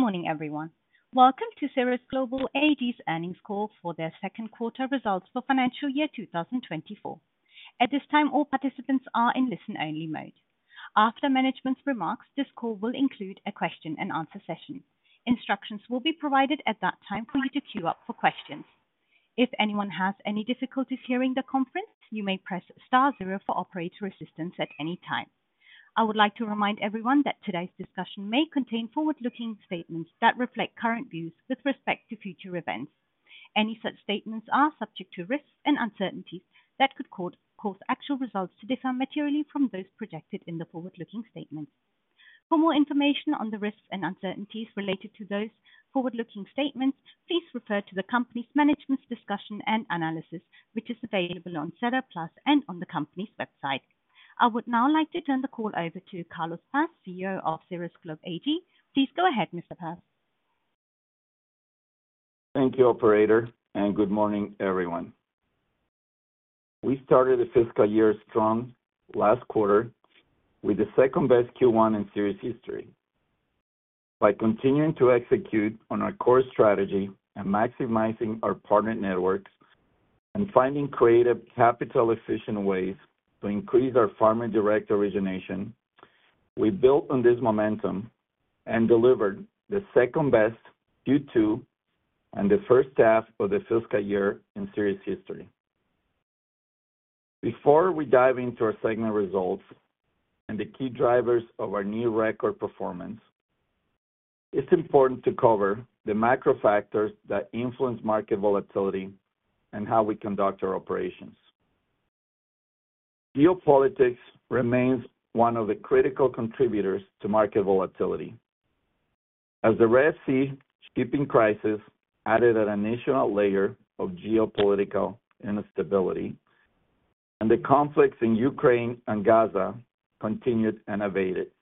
Good morning, everyone. Welcome to Ceres Global Ag Corp.'s Earnings Call for their second quarter results for financial year 2024. At this time, all participants are in listen-only mode. After management's remarks, this call will include a question-and-answer session. Instructions will be provided at that time for you to queue up for questions. If anyone has any difficulties hearing the conference, you may press star zero for operator assistance at any time. I would like to remind everyone that today's discussion may contain forward-looking statements that reflect current views with respect to future events. Any such statements are subject to risks and uncertainties that could cause actual results to differ materially from those projected in the forward-looking statements. For more information on the risks and uncertainties related to those forward-looking statements, please refer to the company's management's discussion and analysis, which is available on SEDAR+ and on the company's website. I would now like to turn the call over to Carlos Paz, CEO of Ceres Global Ag Corp. Please go ahead, Mr. Paz. Thank you, operator, and good morning, everyone. We started the fiscal year strong last quarter, with the second-best Q1 in Ceres history. By continuing to execute on our core strategy and maximizing our partner networks and finding creative, capital-efficient ways to increase our farmer direct origination, we built on this momentum and delivered the second-best Q2 and the first half of the fiscal year in Ceres history. Before we dive into our segment results and the key drivers of our new record performance, it's important to cover the macro factors that influence market volatility and how we conduct our operations. Geopolitics remains one of the critical contributors to market volatility, as the Red Sea shipping crisis added an additional layer of geopolitical instability, and the conflicts in Ukraine and Gaza continued and evaded.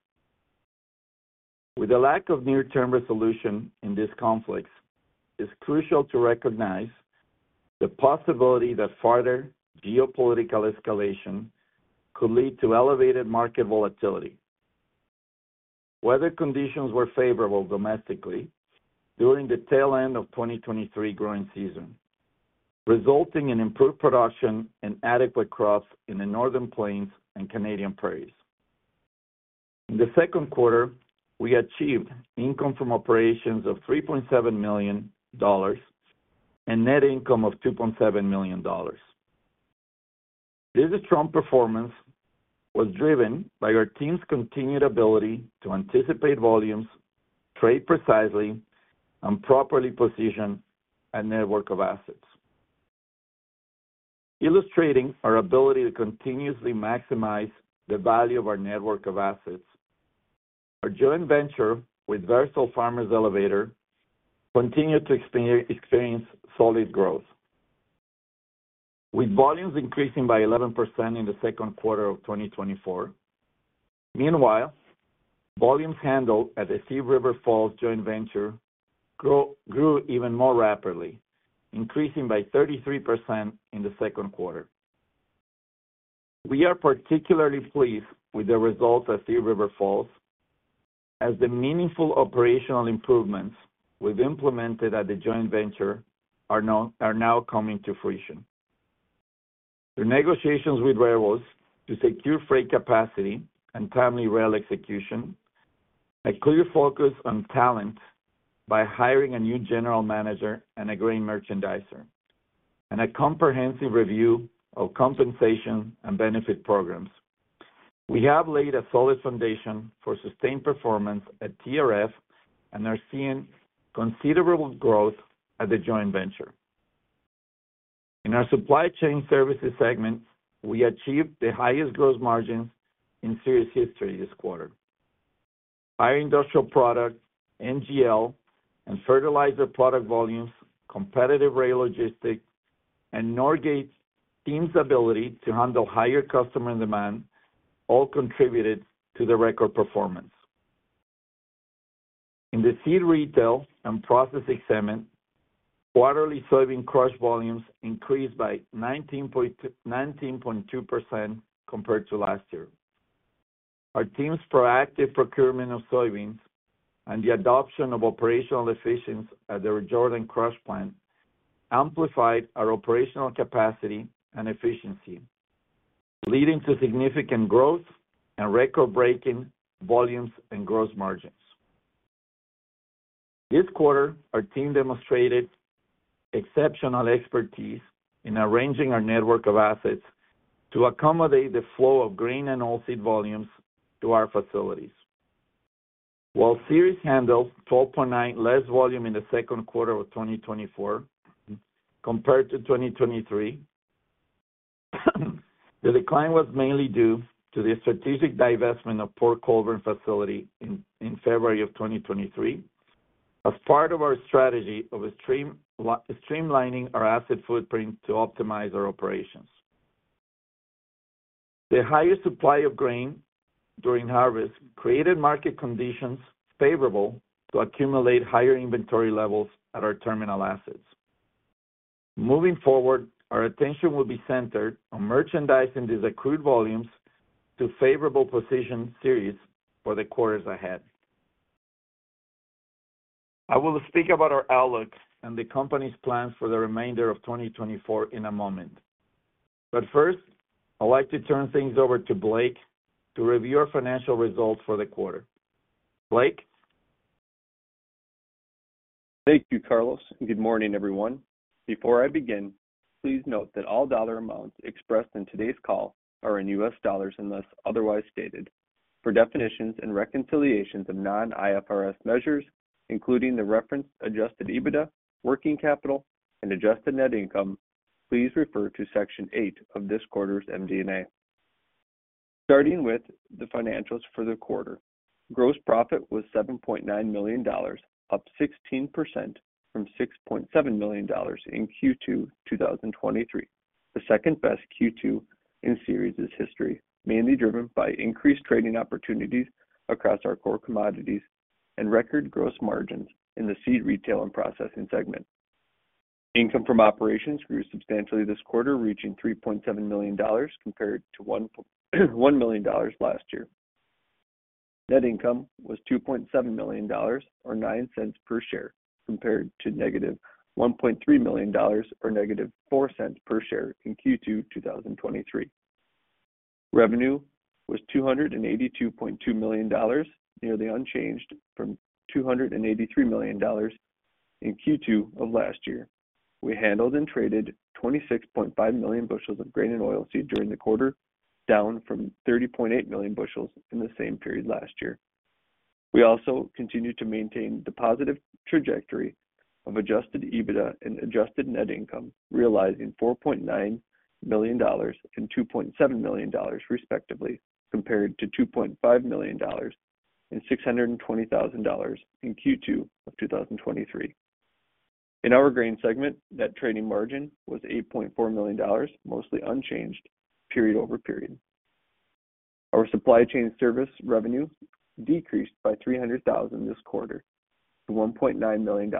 With a lack of near-term resolution in these conflicts, it's crucial to recognize the possibility that farther geopolitical escalation could lead to elevated market volatility. Weather conditions were favorable domestically during the tail end of 2023 growing season, resulting in improved production and adequate crops in the Northern Plains and Canadian Prairies. In the second quarter, we achieved income from operations of $3.7 million and net income of $2.7 million. This strong performance was driven by our team's continued ability to anticipate volumes, trade precisely, and properly position a network of assets. Illustrating our ability to continuously maximize the value of our network of assets, our joint venture with Berthold Farmers Elevator continued to experience solid growth, with volumes increasing by 11% in the second quarter of 2024. Meanwhile, volumes handled at the Thief River Falls joint venture grew even more rapidly, increasing by 33% in the second quarter. We are particularly pleased with the results at Thief River Falls, as the meaningful operational improvements we've implemented at the joint venture are now coming to fruition. Through negotiations with railroads to secure freight capacity and timely rail execution, a clear focus on talent by hiring a new general manager and a grain merchandiser, and a comprehensive review of compensation and benefit programs, we have laid a solid foundation for sustained performance at TRF and are seeing considerable growth at the joint venture. In our supply chain services segment, we achieved the highest gross margins in Ceres history this quarter. High industrial product, NGL, and fertilizer product volumes, competitive rail logistics, and Northgate's team's ability to handle higher customer demand all contributed to the record performance. In the seed retail and processing segment, quarterly soybean crush volumes increased by 19.2% compared to last year. Our team's proactive procurement of soybeans and the adoption of operational efficiency at the Jordan Crush Plant amplified our operational capacity and efficiency, leading to significant growth and record-breaking volumes and gross margins. This quarter, our team demonstrated exceptional expertise in arranging our network of assets to accommodate the flow of grain and oilseed volumes to our facilities. While Ceres handled 12.9% less volume in the second quarter of 2024 compared to 2023, the decline was mainly due to the strategic divestment of Port Colborne facility in February of 2023 as part of our strategy of streamlining our asset footprint to optimize our operations. The higher supply of grain during harvest created market conditions favorable to accumulate higher inventory levels at our terminal assets. Moving forward, our attention will be centered on merchandising these accrued volumes to favorable position Ceres for the quarters ahead. I will speak about our outlook and the company's plans for the remainder of 2024 in a moment. But first, I'd like to turn things over to Blake to review our financial results for the quarter. Blake? Thank you, Carlos, and good morning, everyone. Before I begin, please note that all dollar amounts expressed in today's call are in U.S. dollars unless otherwise stated. For definitions and reconciliations of non-IFRS measures, including the referenced Adjusted EBITDA, working capital, and Adjusted net income, please refer to Section 8 of this quarter's MD&A. Starting with the financials for the quarter, gross profit was $7.9 million, up 16% from $6.7 million in Q2 2023, the second-best Q2 in Ceres's history, mainly driven by increased trading opportunities across our core commodities and record gross margins in the seed retail and processing segment. Income from operations grew substantially this quarter, reaching $3.7 million compared to $1 million last year. Net income was $2.7 million or $0.09 per share compared to negative $1.3 million or negative $0.04 per share in Q2 2023. Revenue was $282.2 million, nearly unchanged from $283 million in Q2 of last year. We handled and traded 26.5 million bushels of grain and oilseed during the quarter, down from 30.8 million bushels in the same period last year. We also continued to maintain the positive trajectory of adjusted EBITDA and adjusted net income, realizing $4.9 million and $2.7 million, respectively, compared to $2.5 million and $620,000 in Q2 of 2023. In our grain segment, net trading margin was $8.4 million, mostly unchanged period-over-period. Our supply chain service revenue decreased by $300,000 this quarter to $1.9 million,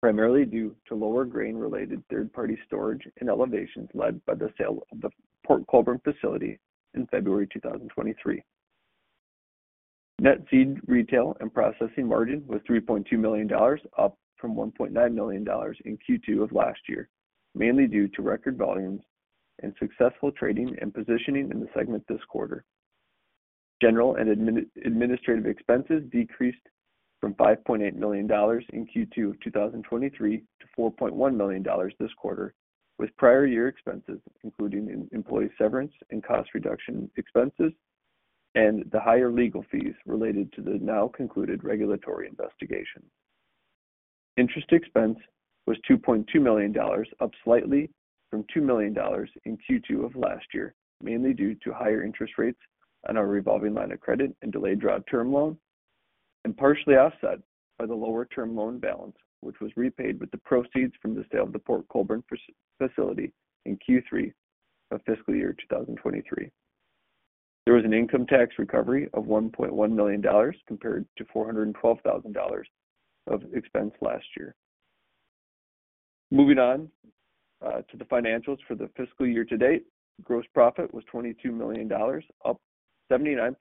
primarily due to lower grain-related third-party storage and elevations led by the sale of the Port Colborne facility in February 2023. Net seed retail and processing margin was $3.2 million, up from $1.9 million in Q2 of last year, mainly due to record volumes and successful trading and positioning in the segment this quarter. General and administrative expenses decreased from $5.8 million in Q2 of 2023 to $4.1 million this quarter, with prior year expenses, including employee severance and cost reduction expenses, and the higher legal fees related to the now concluded regulatory investigation. Interest expense was $2.2 million, up slightly from $2 million in Q2 of last year, mainly due to higher interest rates on our revolving line of credit and delayed draw term loan, and partially offset by the lower term loan balance, which was repaid with the proceeds from the sale of the Port Colborne facility in Q3 of fiscal year 2023. There was an income tax recovery of $1.1 million compared to $412,000 of expense last year. Moving on to the financials for the fiscal year to date, gross profit was $22 million, up 79%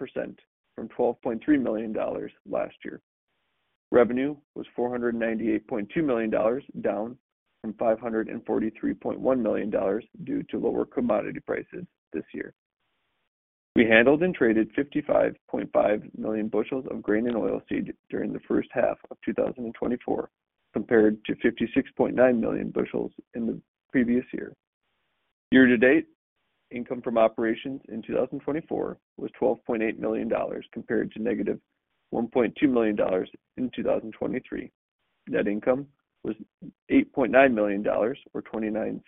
from $12.3 million last year. Revenue was $498.2 million, down from $543.1 million due to lower commodity prices this year. We handled and traded 55.5 million bushels of grain and oilseed during the first half of 2024, compared to 56.9 million bushels in the previous year. Year-to-date, income from operations in 2024 was $12.8 million compared to negative $1.2 million in 2023. Net income was $8.9 million or $0.29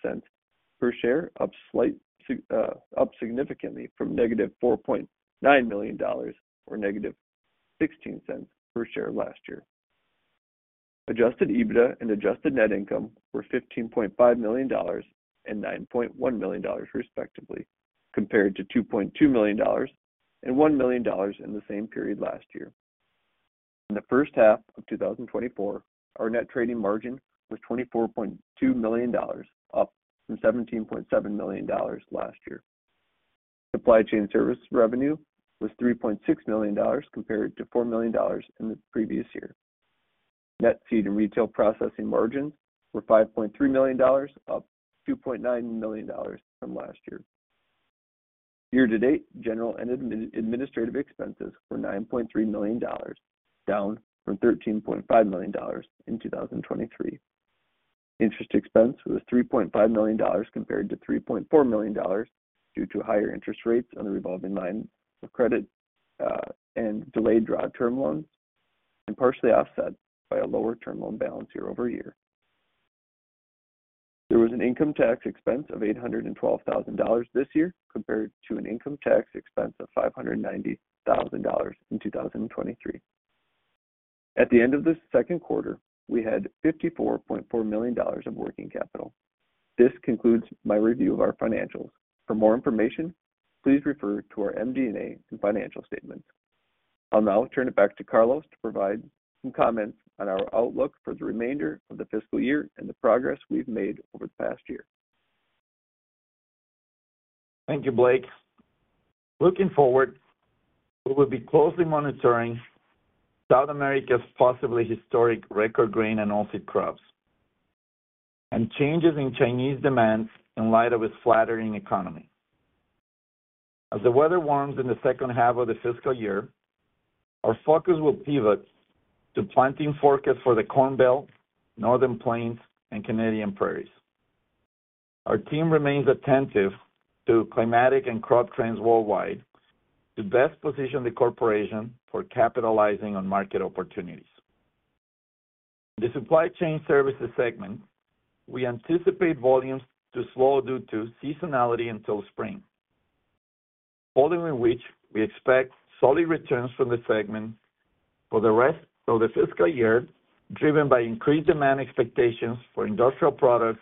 per share, up significantly from negative $4.9 million or -$0.16 per share last year. Adjusted EBITDA and adjusted net income were $15.5 million and $9.1 million, respectively, compared to $2.2 million and $1 million in the same period last year. In the first half of 2024, our net trading margin was $24.2 million, up from $17.7 million last year. Supply chain service revenue was $3.6 million compared to $4 million in the previous year. Net seed and retail processing margins were $5.3 million, up $2.9 million from last year. Year-to-date, general and administrative expenses were $9.3 million, down from $13.5 million in 2023. Interest expense was $3.5 million compared to $3.4 million due to higher interest rates on the revolving line of credit and delayed draw term loans, and partially offset by a lower term loan balance year-over-year. There was an income tax expense of $812,000 this year compared to an income tax expense of $590,000 in 2023. At the end of the second quarter, we had $54.4 million of working capital. This concludes my review of our financials. For more information, please refer to our MD&A and financial statements. I'll now turn it back to Carlos to provide some comments on our outlook for the remainder of the fiscal year and the progress we've made over the past year. Thank you, Blake. Looking forward, we will be closely monitoring South America's possibly historic record grain and oilseed crops and changes in Chinese demand in light of its faltering economy. As the weather warms in the second half of the fiscal year, our focus will pivot to planting forecasts for the Corn Belt, Northern Plains, and Canadian Prairies. Our team remains attentive to climatic and crop trends worldwide to best position the corporation for capitalizing on market opportunities. In the supply chain services segment, we anticipate volumes to slow due to seasonality until spring, following which we expect solid returns from the segment for the rest of the fiscal year, driven by increased demand expectations for industrial products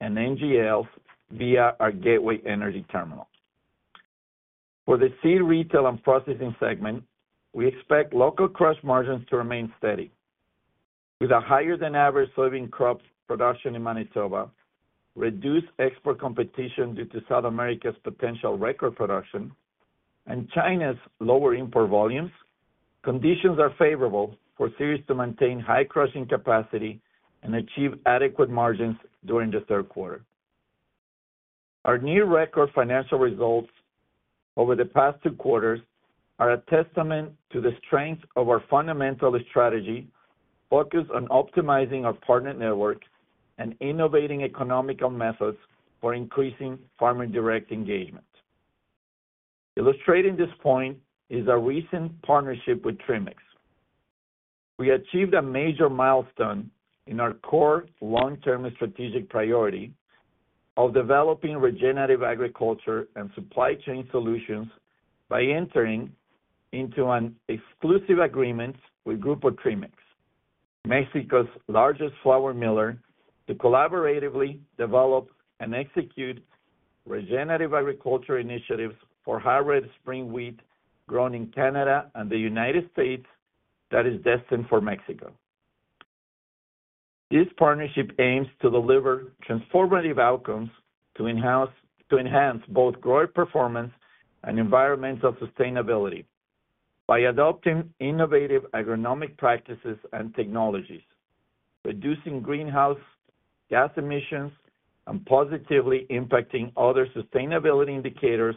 and NGLs via our Gateway Energy Terminal. For the seed retail and processing segment, we expect local crush margins to remain steady. With a higher-than-average soybean crop production in Manitoba, reduced export competition due to South America's potential record production, and China's lower import volumes, conditions are favorable for Ceres to maintain high crushing capacity and achieve adequate margins during the third quarter. Our near-record financial results over the past two quarters are a testament to the strength of our fundamental strategy focused on optimizing our partner network and innovating economical methods for increasing farmer direct engagement. Illustrating this point is our recent partnership with Trimex. We achieved a major milestone in our core long-term strategic priority of developing regenerative agriculture and supply chain solutions by entering into an exclusive agreement with Grupo Trimex, Mexico's largest flour miller, to collaboratively develop and execute regenerative agriculture initiatives for hybrid spring wheat grown in Canada and the United States that is destined for Mexico. This partnership aims to deliver transformative outcomes to enhance both growth performance and environmental sustainability by adopting innovative agronomic practices and technologies, reducing greenhouse gas emissions, and positively impacting other sustainability indicators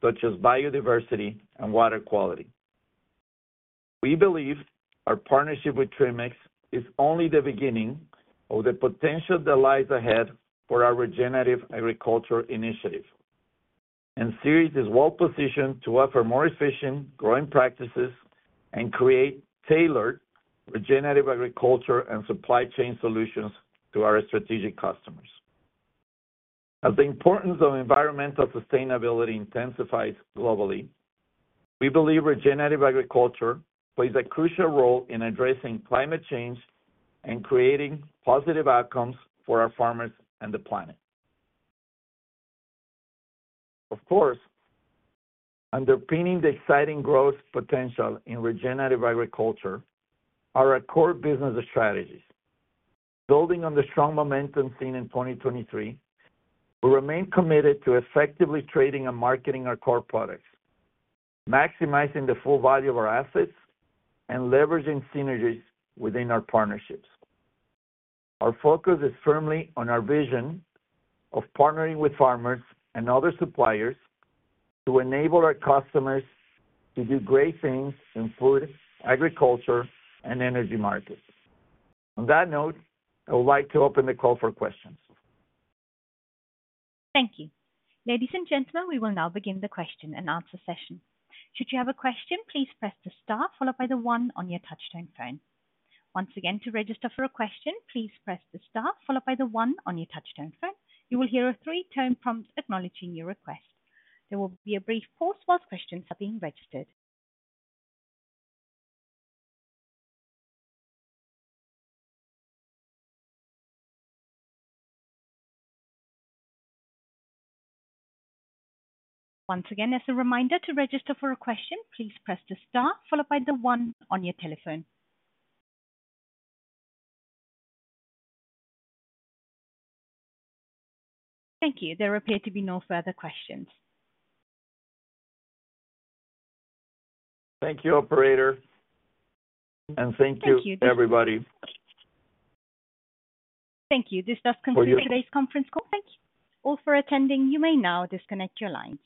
such as biodiversity and water quality. We believe our partnership with Trimex is only the beginning of the potential that lies ahead for our regenerative agriculture initiative, and Ceres is well positioned to offer more efficient growing practices and create tailored regenerative agriculture and supply chain solutions to our strategic customers. As the importance of environmental sustainability intensifies globally, we believe regenerative agriculture plays a crucial role in addressing climate change and creating positive outcomes for our farmers and the planet. Of course, underpinning the exciting growth potential in regenerative agriculture are our core business strategies. Building on the strong momentum seen in 2023, we remain committed to effectively trading and marketing our core products, maximizing the full value of our assets and leveraging synergies within our partnerships. Our focus is firmly on our vision of partnering with farmers and other suppliers to enable our customers to do great things in food, agriculture, and energy markets. On that note, I would like to open the call for questions. Thank you. Ladies and gentlemen, we will now begin the question and answer session. Should you have a question, please press the star followed by the one on your touch-tone phone. Once again, to register for a question, please press the star followed by the 1 on your touch-tone phone. You will hear a three-tone prompt acknowledging your request. There will be a brief pause while questions are being registered. Once again, as a reminder, to register for a question, please press the star followed by the one on your telephone. Thank you. There appear to be no further questions. Thank you, operator. Thank you, everybody. Thank you. This does conclude today's conference call. Thank you all for attending. You may now disconnect your lines.